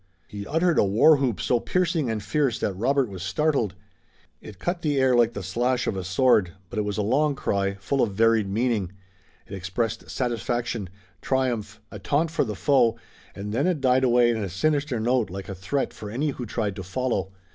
He uttered a war whoop so piercing and fierce that Robert was startled. It cut the air like the slash of a sword, but it was a long cry, full of varied meaning. It expressed satisfaction, triumph, a taunt for the foe, and then it died away in a sinister note like a threat for any who tried to follow.